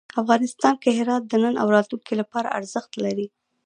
افغانستان کې هرات د نن او راتلونکي لپاره ارزښت لري.